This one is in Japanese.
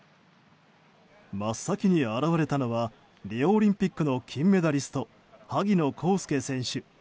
真っ先に現れたのはリオオリンピックの金メダリスト萩野公介選手。